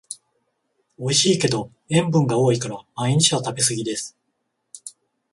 おいしいけど塩分が多いから毎日は食べすぎです